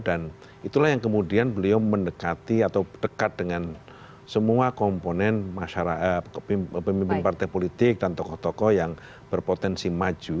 dan itulah yang kemudian beliau mendekati atau dekat dengan semua komponen masyarakat pemimpin partai politik dan tokoh tokoh yang berpotensi maju